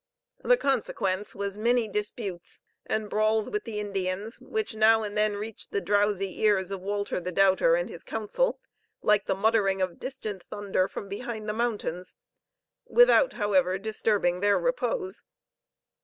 The consequence was many disputes and brawls with the Indians, which now and then reached the drowsy ears of Walter the Doubter and his council, like the muttering of distant thunder from behind the mountains, without, however, disturbing their repose.